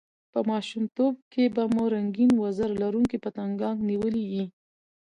په ماشومتوب کښي به مو رنګین وزر لرونکي پتنګان نیولي يي!